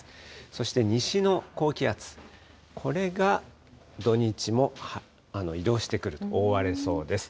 そして西の高気圧、これが土日も移動してくると覆われそうです。